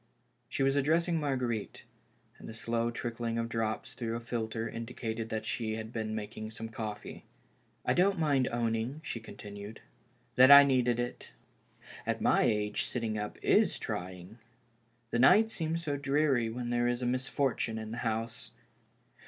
She was addi'essing Marguerite, and the slow trickling of drops through a filter indicated that she had been making some coffee. " I don't mind owning," she continued, " that I needed it. At my age sitting up is trying. The night seems so dreary when there is a misfortune in the house.